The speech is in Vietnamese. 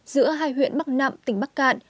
giữa hai huyện bắc nạm tỉnh bắc cạn